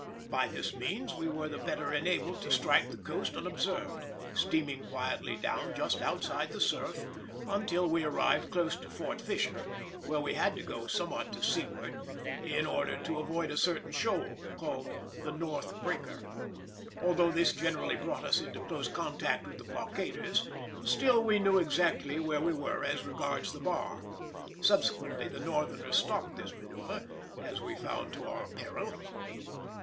By this means we were the better enabled to strike the coast unobserved, steaming quietly down, just outside the surf, until we arrived close to Fort Fisher, where we had to go somewhat to seaward, in order to avoid a certain shoal called the North Breaker. Although this generally brought us into close contact with the blockaders, still we knew exactly where we were as regards the bar. Subsequently the Northerners stopped this manœuvre, as we found to our peril.